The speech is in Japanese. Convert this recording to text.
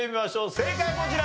正解こちら！